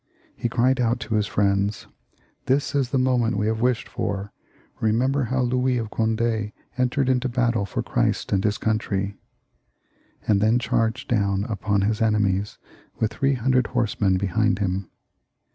He cried out to his friends, "This is the moment we have wished for. Eemember how Louis of Cond^ entered into battle for Christ and his country," and then charged down upon his enemies with three hundred horsemen behind him.